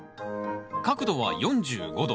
角度は４５度。